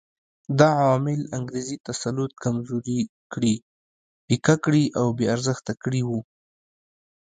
دا عوامل انګریزي تسلط کمزوري کړي، پیکه کړي او بې ارزښته کړي وو.